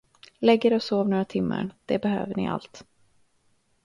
Lägg er och sov några timmar, det behöver ni allt.